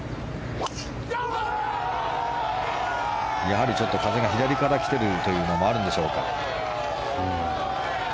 やはり風が左から来ているというのもあるんでしょうか。